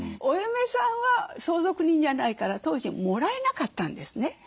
お嫁さんは相続人じゃないから当時もらえなかったんですね。